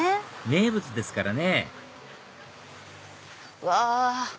名物ですからねうわ！